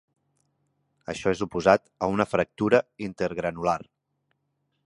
Això és oposat a una fractura intergranular.